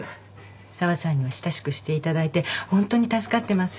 紗和さんには親しくしていただいてホントに助かってます。